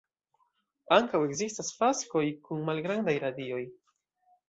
Ankaŭ ekzistas faskoj kun malgrandaj radioj.